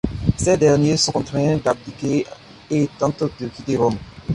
Ces derniers sont contraints d'abdiquer et tentent de quitter Rome.